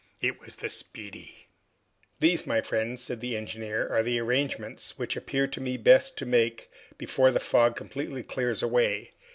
It was the "Speedy." "These, my friends," said the engineer, "are the arrangements which appear to me best to make before the fog completely clears away.